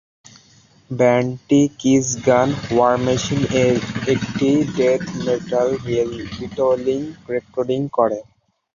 ব্যান্ডটি Kiss গান "war machine" এর একটি ডেথ মেটাল রিটোলিং রেকর্ড করে।